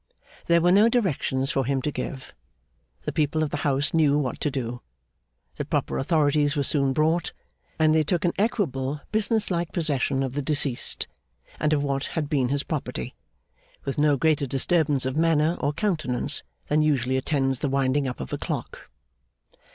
There were no directions for him to give. The people of the house knew what to do; the proper authorities were soon brought; and they took an equable business like possession of the deceased, and of what had been his property, with no greater disturbance of manner or countenance than usually attends the winding up of a clock.